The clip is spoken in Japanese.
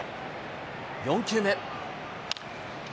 ４球目。